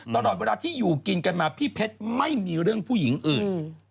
ตลอดเวลาที่อยู่กินกันมาพี่เพชรไม่มีเรื่องผู้หญิงอื่น